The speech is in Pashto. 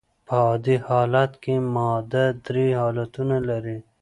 په عادي حالت کي ماده درې حالتونه لري.